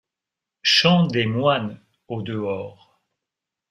Chant des moines au-dehors.